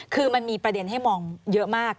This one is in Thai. คือมันมีประเด็นให้มองเยอะมาก